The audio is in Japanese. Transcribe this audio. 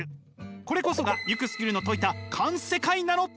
これこそがユクスキュルの説いた環世界なのです。